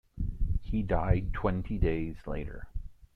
He died twenty days later.